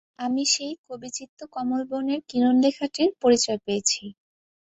আমি সেই কবিচিত্তকমলবনের কিরণলেখাটির পরিচয় পেয়েছি।